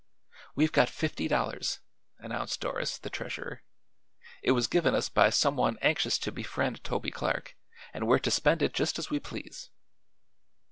"We've got fifty dollars," announced Doris, the treasurer. "It was given us by some one anxious to befriend Toby Clark and we're to spend it just as we please."